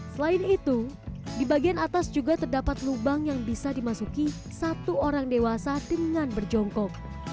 selain itu di bagian atas juga terdapat lubang yang bisa dimasuki satu orang dewasa dengan berjongkok